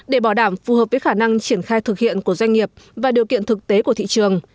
để bảo đảm phù hợp với khả năng triển khai thực hiện của doanh nghiệp và điều kiện thực tế của thị trường